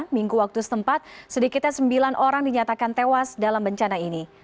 minggu waktu setempat sedikitnya sembilan orang dinyatakan tewas dalam bencana ini